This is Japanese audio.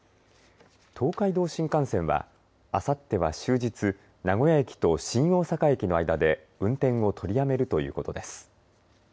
東海道新幹線はあさっては終日名古屋駅と新大阪駅の間で運転を取りやめるということです。